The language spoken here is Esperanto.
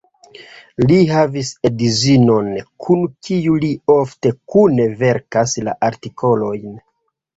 Li havas edzinon kun kiu li ofte kune verkas la artikolojn.